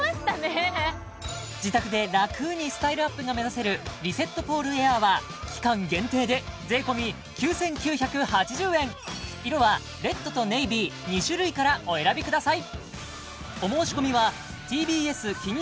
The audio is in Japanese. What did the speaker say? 自宅で楽にスタイルアップが目指せるリセットポールエアーは期間限定で色はレッドとネイビー２種類からお選びください